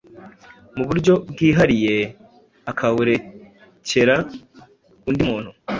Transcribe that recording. mu buryo bwihariye akawurekera undi muntu,